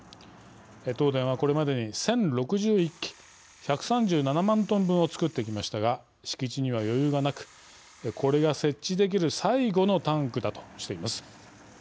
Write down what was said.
東電はこれまでに１，０６１基１３７万トン分を作ってきましたが敷地には余裕がなくこれが設置できる最後のタンクだとしています。